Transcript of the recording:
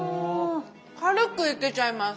軽くいけちゃいます。